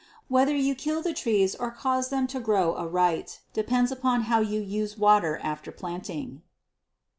Whether you kill the trees or cause them to grow aright depends upon how you use water after planting.